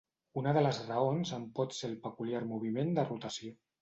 Una de les raons en pot ser el peculiar moviment de rotació.